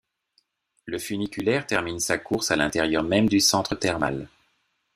Le funiculaire termine sa course à l'intérieur même du centre thermal.